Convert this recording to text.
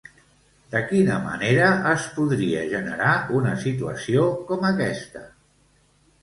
De quina manera es podria generar una situació com aquesta?